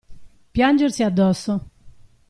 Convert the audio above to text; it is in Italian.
Piangersi addosso.